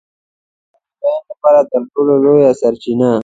د جګړې د بیان لپاره تر ټولو لویه سرچینه.